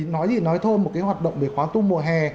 nói gì nói thêm một cái hoạt động về khóa tu mùa hè